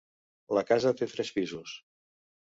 La casa té tres pisos.